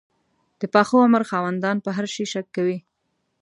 د پاخه عمر خاوندان په هر شي شک کوي.